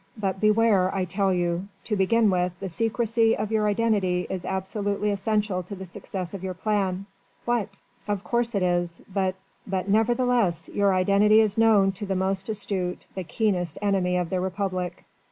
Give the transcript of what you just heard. But beware, I tell you. To begin with, the secrecy of your identity is absolutely essential to the success of your plan. What?" "Of course it is. But...." "But nevertheless, your identity is known to the most astute, the keenest enemy of the Republic."